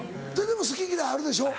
でも好き嫌いあるでしょ？